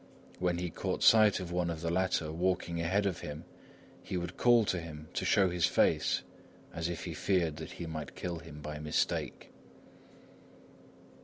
When he caught sight of one of the latter walking ahead of him, he would call to him to show his face, as if he feared that he might kill him by mistake.